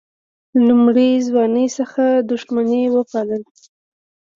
له لومړۍ ځوانۍ څخه دښمني وپالل.